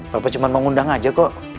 papa cuma mau ngundang aja kok